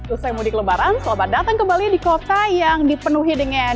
usai mudik lebaran selamat datang kembali di kota yang dipenuhi dengan